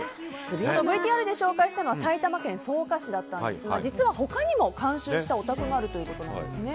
ＶＴＲで紹介したのは埼玉県草加市だったんですが実は他にも監修したお宅があるということなんです。